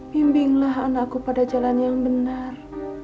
bimbinglah anakku pada jalan yang benar